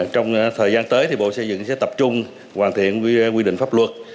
trong thời gian tới thì bộ xây dựng sẽ tập trung hoàn thiện quy định pháp luật